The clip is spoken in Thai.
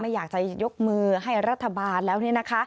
อยากจะยกมือให้รัฐบาลแล้ว